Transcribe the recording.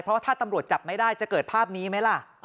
เพราะว่าถ้าตำรวจจับไม่ได้จะเกิดภาพนี้ไหมล่ะ